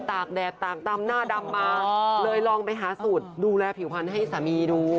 ตากแดดตากตำหน้าดำมาเลยลองไปหาสูตรดูแลผิวพันธุ์ให้สามีดู